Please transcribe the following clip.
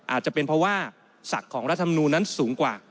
อาจจะเป็นเพราะว่าศักดิ์ของรัฐมนูลนั้นสูงกว่า